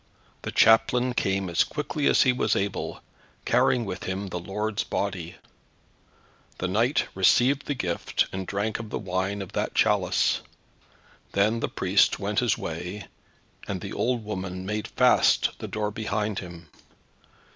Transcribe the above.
The chaplain came as quickly as he was able, carrying with him the Lord's Body. The knight received the Gift, and drank of the Wine of that chalice; then the priest went his way, and the old woman made fast the door behind him.